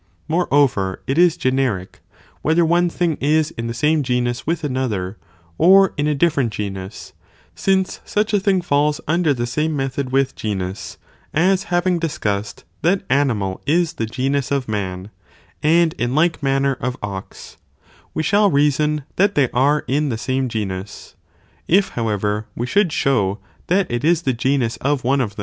Moreover it is generic,? whether one thing is in the same genus with another or in a different genus, since such a thing falls under the same method with genus, as having discussed that animal is the genus of man, and in like man ner of ox, we shall reason that they are in the same genus ; if, however, we should show that it is the genus of one of * Cf.